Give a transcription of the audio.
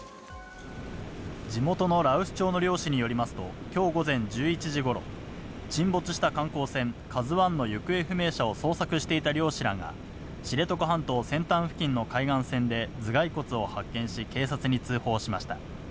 地元の羅臼町の漁師によりますと、きょう午前１１時ごろ、沈没した観光船、ＫＡＺＵＩの行方不明者を捜索していた漁師らが、知床半島先端付近の海岸線で、頭蓋骨を発見し、警察に通報しました。